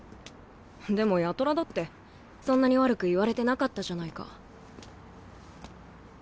でも八虎だってそんなに悪く言われてなかったじゃないか。